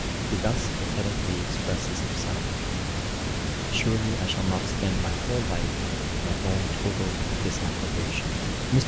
He thus pathetically expresses himself, 'Surely I shall not spend my whole life with my own total disapprobation.' Mr.